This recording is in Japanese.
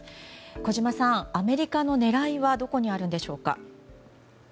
小島さん、アメリカの狙いはどこにあるんでしょうか。